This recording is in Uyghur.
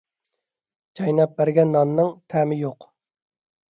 چايناپ بەرگەن ناننىڭ تەمى يوق.